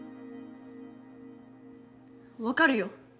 わかるよ